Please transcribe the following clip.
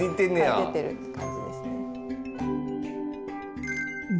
書いてってるって感じですね。